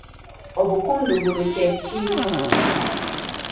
Obukundugulu kye ki?